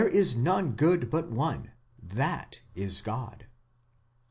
is none good but one, that ts God.